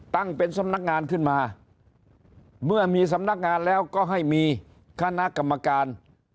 ตั้งเป็นสำนักงานขึ้นมาเมื่อมีสำนักงานแล้วก็ให้มีคณะกรรมการ